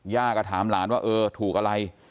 ย่าก็ถามหลานว่าถูกอะไร